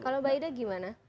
kalau mbak ida gimana